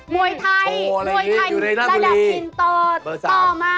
มวยไทยรวยไทยระดับอินโตต่อมากอยู่ในหน้าตุรีเบอร์๓